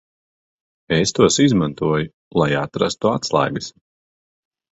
Es tos izmantoju, lai atrastu atslēgas.